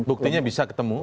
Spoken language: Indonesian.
buktinya bisa ketemu